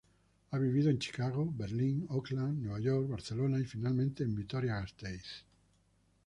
Ha vivido en Chicago, Berlín, Oakland, Nueva York, Barcelona y finalmente en Vitoria-Gasteiz.